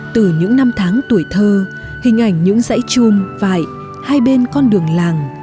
từ những năm tháng tuổi thơ hình ảnh những dãy chung vại hai bên con đường làng